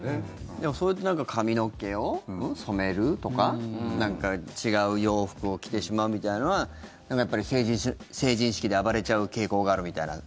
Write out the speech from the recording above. でもそれでなんか髪の毛を染めるとかなんか違う洋服を着てしまうみたいなのは成人式で暴れちゃう傾向があるみたいな。